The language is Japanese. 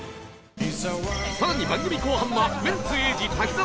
さらに番組後半はウエンツ瑛士滝沢